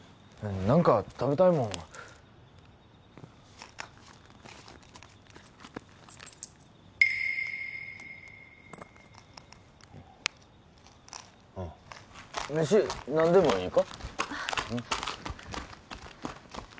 何か食べたいもん飯何でもいいか？